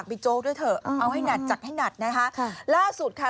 โจ๊กด้วยเถอะเอาให้หนักจัดให้หนักนะคะค่ะล่าสุดค่ะ